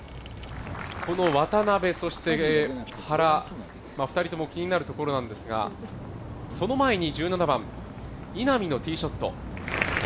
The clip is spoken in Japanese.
この渡邉、そして原、二人とも気になるところなんですが、その前に１７番稲見のティーショット。